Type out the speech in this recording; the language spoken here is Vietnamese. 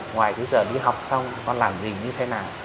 ngoài cái giờ đi học xong con làm gì như thế nào